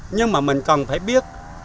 nhưng mà mình cần phải biết